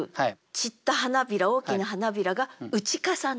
散った花びら大きな花びらが打かさなる。